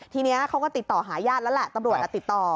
ทีนี้เขาก็ติดต่อหาญาติแล้วแหละตำรวจติดต่อ